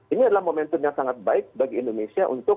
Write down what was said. ini adalah momentum yang sangat baik bagi indonesia untuk